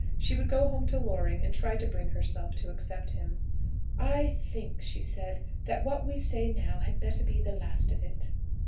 She would go home to Loring, and try to bring herself to accept him. "I think," she said, "that what we now say had better be the last of it."